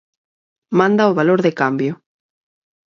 Manda o valor de cambio.